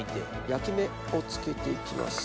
焼き目をつけて行きます。